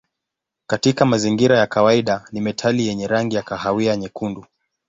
Katika mazingira ya kawaida ni metali yenye rangi ya kahawia nyekundu.